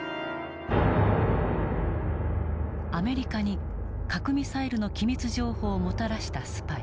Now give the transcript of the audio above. アメリカに核ミサイルの機密情報をもたらしたスパイ。